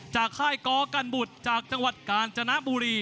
ค่ายกอกันบุตรจากจังหวัดกาญจนบุรี